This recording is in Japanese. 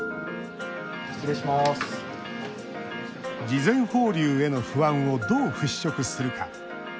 事前放流への不安をどう、ふっしょくするか。